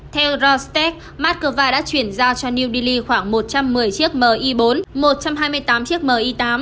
theo rostep moscow đã chuyển giao cho new delhi khoảng một trăm một mươi chiếc mi bốn một trăm hai mươi tám chiếc mi tám